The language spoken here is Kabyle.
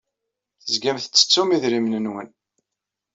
Tezgam tettettum idrimen-nwen.